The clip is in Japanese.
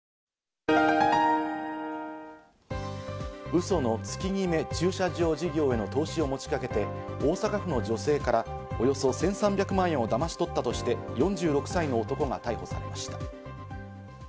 ウソの月極駐車場事業への投資を持ちかけて、大阪府の女性からおよそ１３００万円をだまし取ったとして４６歳の男が逮捕されました。